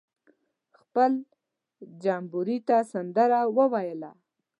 خپل جمبوري ته سندره ویله.